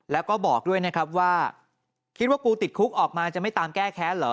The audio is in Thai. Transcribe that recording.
แล้วก็บอกด้วยนะครับว่าคิดว่ากูติดคุกออกมาจะไม่ตามแก้แค้นเหรอ